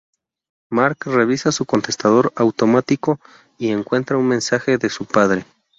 Marc revisa su contestador automático y encuentra un mensaje de su padre.